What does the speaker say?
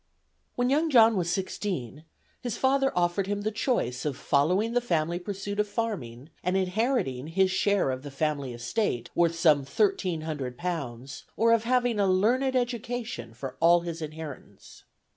'" When young John was sixteen, his father offered him the choice of following the family pursuit of farming, and inheriting his share of the family estate, worth some thirteen hundred pounds, or of having a "learned education" for all his inheritance.